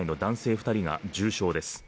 二人が重傷です